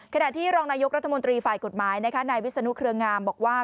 ขณะที่รองนายกรัฐมนตรีฝ่ายกฎหมายนะคะนายวิศนุเครืองามบอกว่า